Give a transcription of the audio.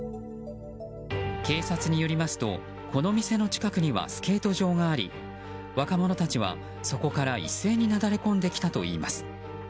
警察によりますとこの店の近くにはスケート場があり若者たちは、そこから一斉になだれ込んできたといいます。